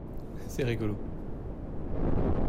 C'est rigolo.